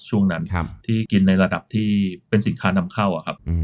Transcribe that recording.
ช่วงนั้นที่กินในระดับที่เป็นสินค้านำเข้าครับ